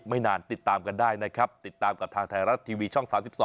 นานติดตามกันได้นะครับติดตามกับทางไทยรัฐทีวีช่อง๓๒